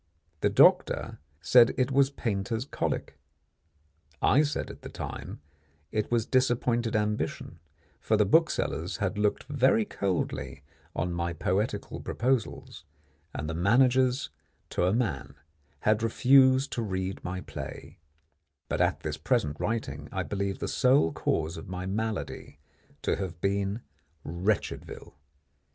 The doctor said it was painter's colic; I said at the time it was disappointed ambition, for the booksellers had looked very coldly on my poetical proposals, and the managers to a man had refused to read my play; but at this present writing I believe the sole cause of my malady to have been Wretchedville.